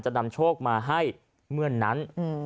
นำโชคมาให้เมื่อนั้น